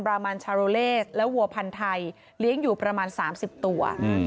รามันชาโรเลสและวัวพันธุ์ไทยเลี้ยงอยู่ประมาณ๓๐ตัว